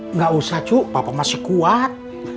enggak usah cu papa masih kuat